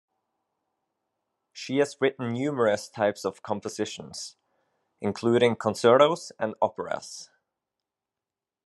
She has written numerous types of compositions, including concertos and operas.